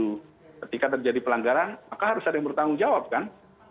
ketika terjadi pelanggaran maka harus ada yang bertanggung jawab kan